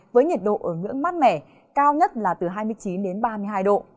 với nhiệt độ ở ngưỡng mát mẻ cao nhất là từ hai mươi chín đến ba mươi hai độ